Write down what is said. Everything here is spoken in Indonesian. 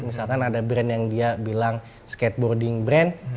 misalkan ada brand yang dia bilang skateboarding brand